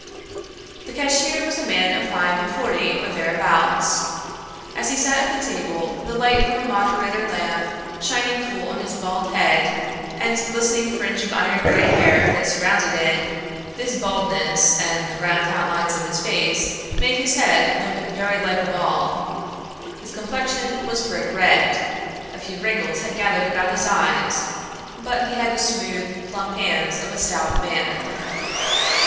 The cashier was a man of five and forty or thereabouts. As he sat at the table, the light from a moderator lamp shining full on his bald head and glistening fringe of iron gray hair that surrounded it this baldness and the round outlines of his face made his head look very like a ball. His complexion was brick red, a few wrinkles had gathered about his eyes, but he had the smooth, plump hands of a stout man.